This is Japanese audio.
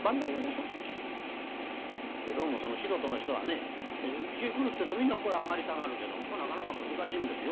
「いやどうも素人の人はねうちへ来るってえとみんなここへ上がりたがるけどここなかなか難しいんですよ。